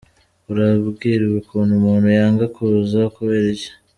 urambwira ukuntu umuntu yanga kuza, kubera iki? ”.